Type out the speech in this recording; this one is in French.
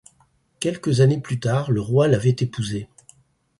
Quelques années plus tard, le roi l'avait épousée.